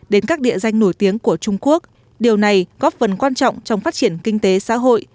đến các địa danh nổi tiếng của trung quốc điều này góp phần quan trọng trong phát triển kinh tế xã hội